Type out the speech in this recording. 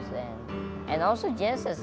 sangat dalam sangat keras